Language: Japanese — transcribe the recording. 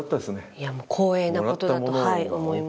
いや、もう光栄なことだと思います。